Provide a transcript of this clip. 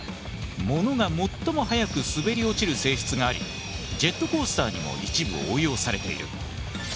ものが最も速く滑り落ちる性質がありジェットコースターにも一部応用されている。